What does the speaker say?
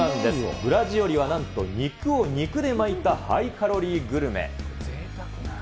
ブラジオリはなんと肉を肉で巻いたハイカロリーグルメ。